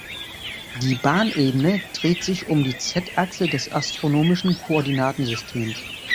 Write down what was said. Die Bahnebene dreht sich um die z-Achse des astronomischen Koordinatensystems.